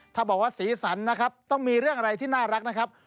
ถ้าบอกว่าสีสันนะครับต้องมีเรื่องอะไรที่น่ารักนะครับ